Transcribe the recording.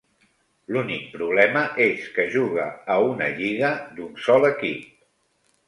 L'únic problema és que juga a una lliga d'un sol equip.